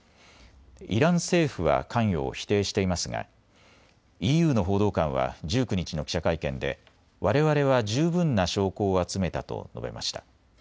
イラン政府は関与を否定していますがＥＵの報道官は１９日の記者会見で、われわれは十分な証拠を集めたと述べました。